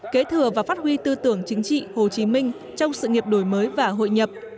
kế thừa và phát huy tư tưởng chính trị hồ chí minh trong sự nghiệp đổi mới và hội nhập